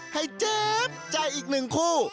เจ็บใจอีกหนึ่งคู่